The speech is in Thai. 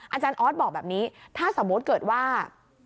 อาจารย์ออสบอกแบบนี้ถ้าสมมุติเกิดว่า